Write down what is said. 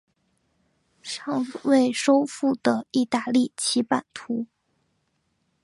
尚未收复的意大利其版图。